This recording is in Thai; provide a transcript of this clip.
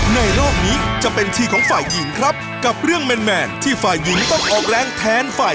สูบลมได้ความสูงของห่วงยางสูงกว่า